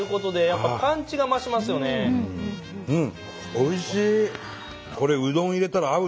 おいしい！